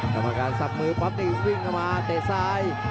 กราบการซับมือแป๊บเดียวก็ซิ่งกันมาเตะทุพรสาย